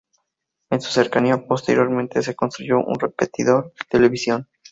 En su cercanía, posteriormente se construyó un repetidor de televisión.